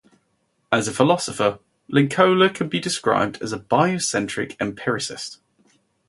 As a philosopher, Linkola can be described as a biocentric empiricist.